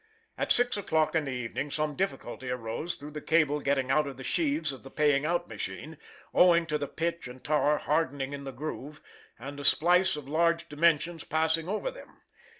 At six o'clock in the evening some difficulty arose through the cable getting out of the sheaves of the paying out machine, owing to the pitch and tar hardening in the groove, and a splice of large dimensions passing over them.